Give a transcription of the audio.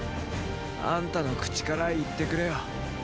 あんたの口から言ってくれよ。